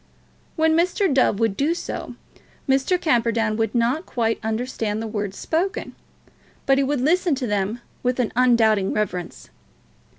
When Mr. Dove would do so, Mr. Camperdown would not quite understand the words spoken, but he would listen to them with an undoubting reverence.